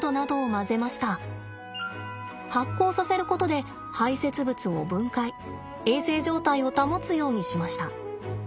発酵させることで排せつ物を分解衛生状態を保つようにしました。